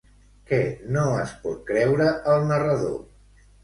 Què no es pot creure el narrador?